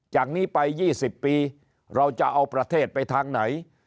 จากนี้ไป๒๐ปีเราจะเอาประเทศไปทางไหน